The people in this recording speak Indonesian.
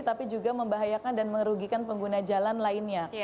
tapi juga membahayakan dan merugikan pengguna jalan lainnya